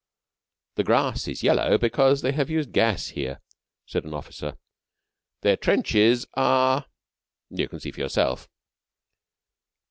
"The grass is yellow because they have used gas here," said an officer. "Their trenches are . You can see for yourself."